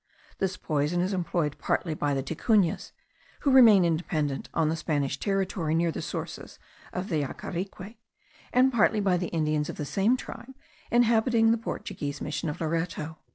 This poison is employed partly by the Ticunas, who remain independent on the Spanish territory near the sources of the Yacarique; and partly by Indians of the same tribe, inhabiting the Portuguese mission of Loreto.